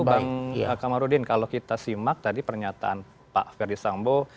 bang kamarudin kalau kita simak tadi pernyataan pak ferdisambo